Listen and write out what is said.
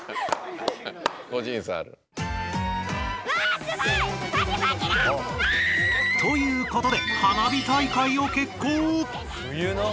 あ！ということで花火大会をけっこう！